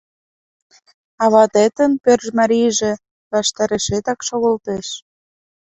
А ватетын пӧржмарийже ваштарешетак шогылтеш.